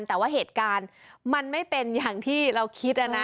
แต่ว่าเหตุการณ์มันไม่เป็นอย่างที่เราคิดนะ